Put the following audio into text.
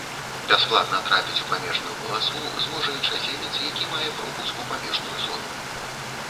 Бясплатна трапіць у памежную паласу зможа іншаземец, які мае пропуск у памежную зону.